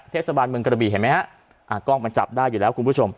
เทศบาลเมืองกระบีเห็นไหมฮะอ่ากล้องมันจับได้อยู่แล้วคุณผู้ชม